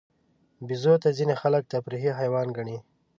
بیزو ته ځینې خلک تفریحي حیوان ګڼي.